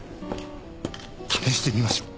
試してみましょう。